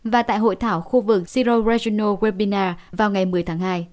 và tại hội thảo khu vực zero regional webinar vào ngày một mươi tháng hai